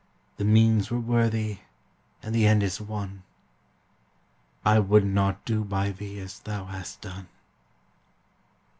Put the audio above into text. The means were worthy, and the end is won I would not do by thee as thou hast done!